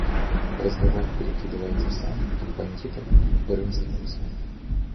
Разговор перекидывается сам от бандитов к Брынским лесам.